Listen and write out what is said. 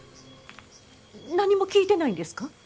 何も聞いてないんですか？